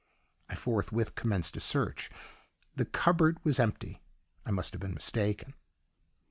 I forthwith commenced a search the cupboard was empty. I must have been mistaken.